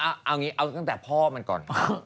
เอางี้เอาตั้งแต่พ่อมันก่อน